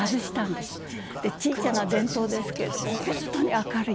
ちいちゃな電灯ですけれども本当に明るい。